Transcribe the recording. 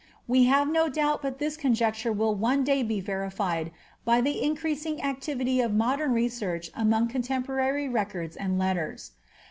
We have no doubt but this conjecture will one day be veri fied, by the increasing activity of modem research among contemporary fwords and letters.